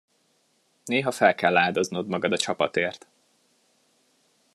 Néha fel kell áldoznod magad a csapatért.